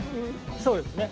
そうですね。